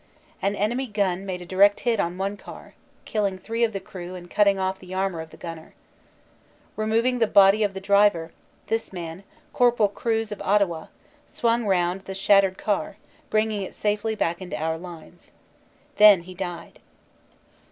An enemy gun made a direct hit on one car, killing three of the crew and cutting off the arm of the gunner. Removing the body of the driver, this man, Corp. Cruise of Ottawa, swung round the shattered car, bringing it safely back into our lines. Then he died.